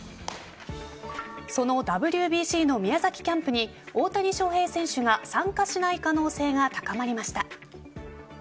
そのＷＢＣの宮崎キャンプに大谷翔平選手が参加しない可能性が高まりました。